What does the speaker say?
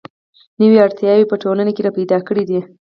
نوې اړتیاوې یې په ټولنه کې را پیدا کړې دي.